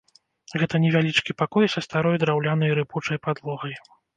Гэта невялічкі пакой са старой драўлянай рыпучай падлогай.